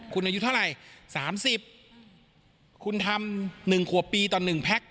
คุณอายุเท่าไหร่๓๐คุณทำ๑ขวบปีต่อ๑แพ็ค